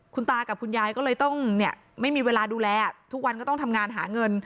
คุณตากับคุณยายก็เลยต้องเนี่ยไม่มีเวลาดูแลทุกวันก็ต้องทำงานหาเงิน